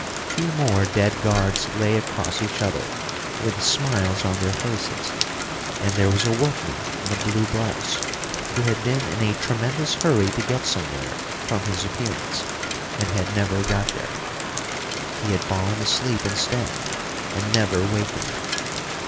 Two more dead guards lay across each other, with smiles on their faces: and there was a workman in a blue blouse who had been in a tremendous hurry to get somewhere, from his appearance, and had never got there. He had fallen asleep instead, and never wakened.